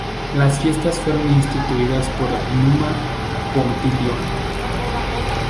Las fiestas fueron instituidas por Numa Pompilio.